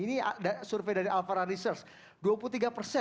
ini survei dari alfara research